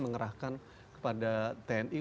mengerahkan kepada tni